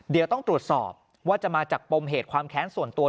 เดี๋ยวต้องตรวจสอบว่าจะมาจากปมเหตุความแค้นส่วนตัว